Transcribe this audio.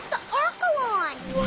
うわ！